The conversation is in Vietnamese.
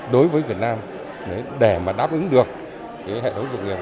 đối với việt nam để mà đáp ứng được hệ thống dục nghiệp